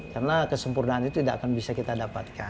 karena kesempurnaan itu tidak akan bisa kita dapatkan